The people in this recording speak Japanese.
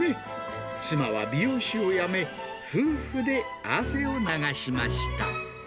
妻は美容師を辞め、夫婦で汗を流しました。